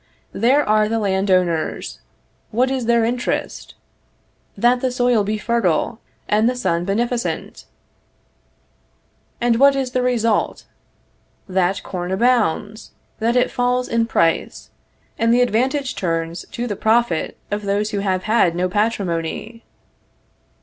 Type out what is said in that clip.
There are the landowners; what is their interest? That the soil be fertile, and the sun beneficent: and what is the result? That corn abounds, that it falls in price, and the advantage turns to the profit of those who have had no patrimony.